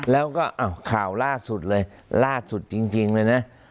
แล้วก็ข่าวล่าสุดเลยล่าสุดจริงเลยนะ